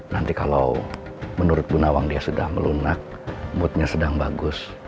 nanti kalau menurut bu nawang dia sudah melunak moodnya sedang bagus